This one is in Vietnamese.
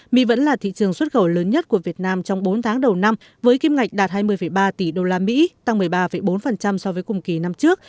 mỹ vẫn là thị trường xuất khẩu lớn nhất của việt nam trong bốn tháng đầu năm với kim ngạch đạt hai mươi ba tỷ usd tăng một mươi ba bốn so với cùng kỳ năm trước